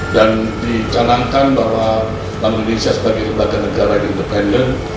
dicanangkan bahwa bank indonesia sebagai lembaga negara independen